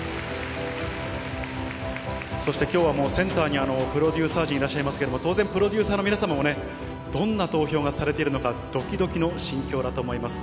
そしてきょうはもう、センターにプロデューサー陣いらっしゃいますけれども、当然、プロデューサーの皆様もね、どんな投票がされているのか、どきどきの心境だと思います。